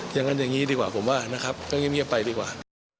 อย่างนั้นอย่างนี้ดีกว่าผมว่านะครับก็เงียบไปดีกว่า